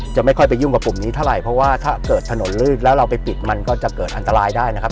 ไม่ค่อยไปยุ่งกับกลุ่มนี้เท่าไหร่เพราะว่าถ้าเกิดถนนลื่นแล้วเราไปปิดมันก็จะเกิดอันตรายได้นะครับ